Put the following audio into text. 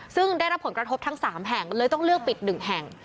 ซึ่งได้รับผลกระทบทั้ง๓แห่งเลยต้องเลือกปิด๑แห่ง